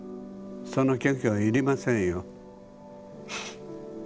その謙虚は要りませんよ。